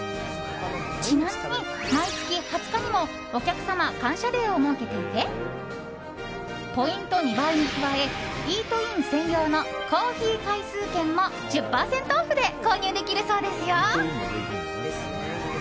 ちなみに毎月２０日にもお客様感謝デーを設けていてポイント２倍に加えイートイン専用のコーヒー回数券も１０％オフで購入できるそうですよ。